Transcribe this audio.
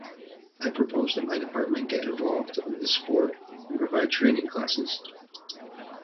I propose that my department get involved in this sport and provide training classes.